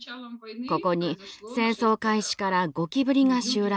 ここに戦争開始からゴキブリが襲来しました。